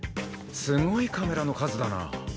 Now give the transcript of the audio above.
すごいカメラの数だな。